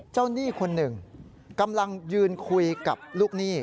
หนี้คนหนึ่งกำลังยืนคุยกับลูกหนี้